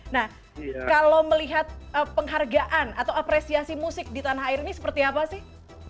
nah kalau melihat penghargaan atau apresiasi musik di tanah air ini seperti apa sih